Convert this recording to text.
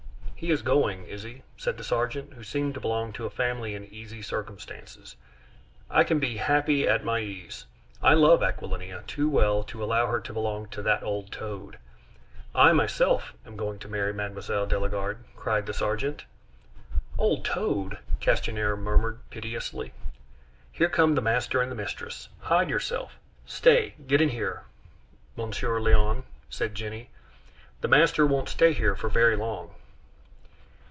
"He is going, is he?" said the sergeant, who seemed to belong to a family in easy circumstances; "I can be happy at my ease! I love Aquilina too well to allow her to belong to that old toad! I, myself, am going to marry Mme. de la Garde!" cried the sergeant. "Old toad!" Castanier murmured piteously. "Here come the master and mistress; hide yourself! Stay, get in here, Monsieur Léon," said Jenny. "The master won't stay here for very long."